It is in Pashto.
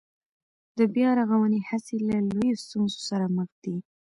د بيا رغونې هڅې له لویو ستونزو سره مخ دي